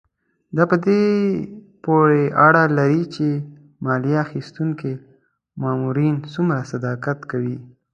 دا په دې پورې اړه لري چې مالیه اخیستونکي مامورین څومره صداقت کوي.